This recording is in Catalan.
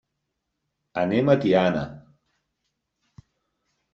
Anem a Tiana.